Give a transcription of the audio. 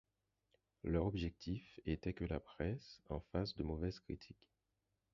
Leur objectif était que la presse en fasse de mauvaises critiques.